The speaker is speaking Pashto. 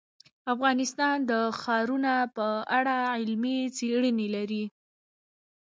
افغانستان د ښارونه په اړه علمي څېړنې لري.